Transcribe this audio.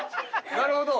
なるほど。